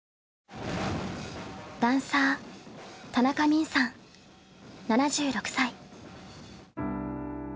ダンサー田中泯さん７６歳。